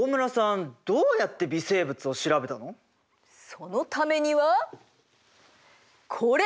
そのためにはこれ！